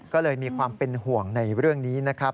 ก็เลยมีความเป็นห่วงในเรื่องนี้นะครับ